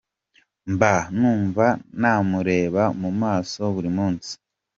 Mba numva namureba mu maso buri munsi.